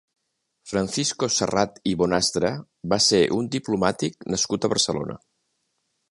Francisco Serrat i Bonastre va ser un diplomàtic nascut a Barcelona.